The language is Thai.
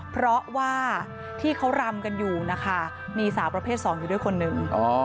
เพราะว่าที่เขารำกันอยู่นะคะมีสาวประเภท๒อยู่ด้วยคนหนึ่ง